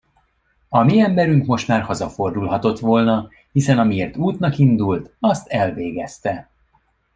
A mi emberünk most már hazafordulhatott volna, hiszen amiért útnak indult, azt elvégezte.